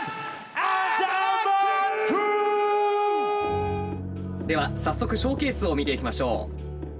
アンダマン・クルー！では早速ショーケースを見ていきましょう。